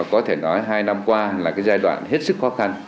có thể nói hai năm qua là cái giai đoạn hết sức khó khăn